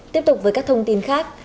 tiếp tục với các thông tin khác